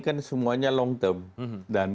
kan semuanya long term dan